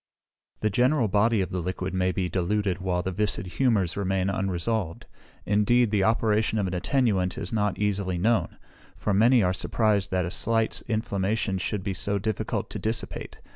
The general body of the liquid may be diluted while the viscid humours remain unresolved. Indeed, the operation of an attenuant is not easily known; for many are surprised that a slight inflammation should be so difficult to dissipate.